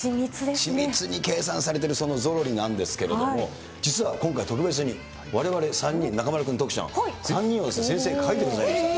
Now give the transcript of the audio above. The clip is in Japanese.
緻密に計算されているそのゾロリなんですけれども、実は今回、特別にわれわれ３人、中丸君、徳ちゃん、３人を先生、描いてくださいました。